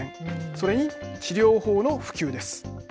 それに治療法の普及です。